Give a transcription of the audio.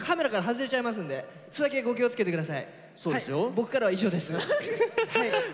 僕からは以上です。